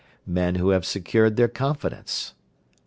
Men who have secured their confidence.